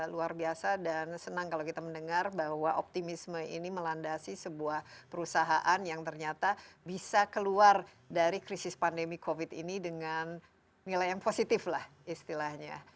luar biasa dan senang kalau kita mendengar bahwa optimisme ini melandasi sebuah perusahaan yang ternyata bisa keluar dari krisis pandemi covid ini dengan nilai yang positif lah istilahnya